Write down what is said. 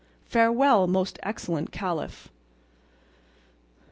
Farewell, most excellent Caliph!"